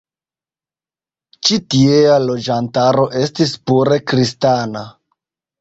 Ĉi tiea loĝantaro estis pure kristana.